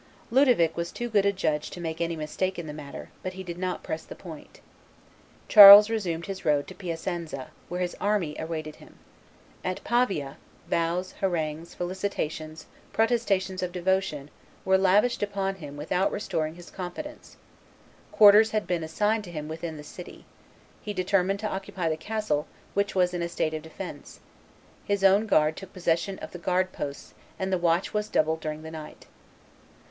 Ludovic was too good a judge to make any mistake in the matter; but he did not press the point. Charles resumed his road to Piacenza, where his army awaited him. At Pavia, vows, harangues, felicitations, protestations of devotion, were lavished upon him without restoring his confidence; quarters had been assigned to him within the city; he determined to occupy the castle, which was in a state of defence; his own guard took possession of the guard posts; and the watch was doubled during the night.